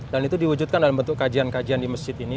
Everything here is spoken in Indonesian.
itu diwujudkan dalam bentuk kajian kajian di masjid ini